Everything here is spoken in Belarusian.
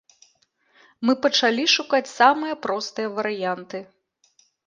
Мы пачалі шукаць самыя простыя варыянты.